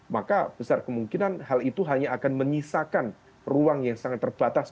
maka besar kemungkinan hal itu hanya akan menyisakan ruang yang sangat terbatas